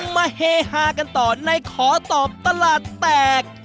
มาเฮฮากันต่อในขอตอบตลาดแตก